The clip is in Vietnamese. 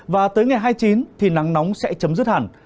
và tới ngày hai mươi chín thì nắng nóng sẽ chấm dứt hẳn